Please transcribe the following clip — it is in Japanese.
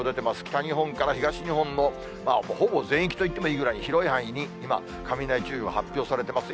北日本から東日本のほぼ全域といってもいいぐらいに、広い範囲に今、雷注意報が発表されてます。